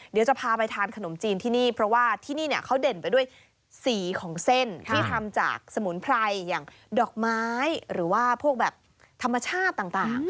เดี๋ยวจะพาไปทานขนมจีนที่นี่เพราะว่าที่นี่เนี่ยเขาเด่นไปด้วยสีของเส้นที่ทำจากสมุนไพรอย่างดอกไม้หรือว่าพวกแบบธรรมชาติต่าง